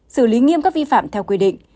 xử lý nghiêm cấp vi phạm theo quy định